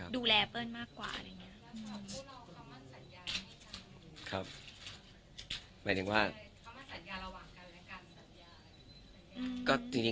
เปิ้ลมากกว่าอะไรอย่างนี้